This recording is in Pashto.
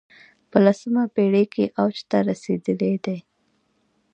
په لسمه پېړۍ کې اوج ته رسېدلی دی